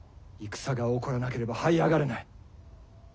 戦が起こらなければ這い上がれない。